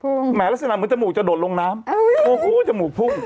แบบจมูกพุ่งไหมเหมือนจมูกจอดลงน้ำไหมโอ้โฮจมูกพุ่ง